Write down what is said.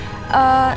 nanti alamatnya berubah